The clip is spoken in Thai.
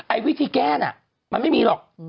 วิธีแก้น่ะมันไม่มีหรอก